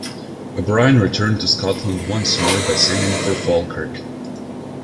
O'Brien returned to Scotland once more by signing for Falkirk.